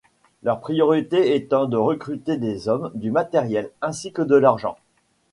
Leur priorité étant de recruter des hommes, du matériel ainsi que de l'argent.